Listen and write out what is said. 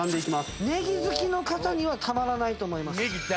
ネギ好きの方にはたまらないと思います。